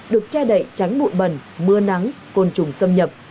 được che đậy tránh bụi bẩn mưa nắng côn trùng xâm nhập